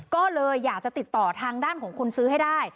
ก็เลยอยากจะติดต่อทางด้านของคนซื้อให้ได้